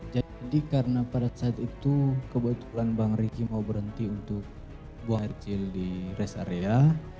jadi karena pada saat itu kebetulan bang riki mau berhenti untuk buang air kecil di rest area